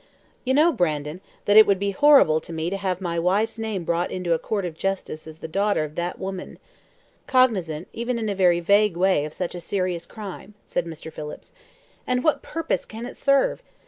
"You know, Brandon, that it would be horrible to me to have my wife's name brought into a court of justice as the daughter of that woman cognizant, even in a very vague way, of such a serious crime," said Mr. Phillips. "And what purpose can it serve?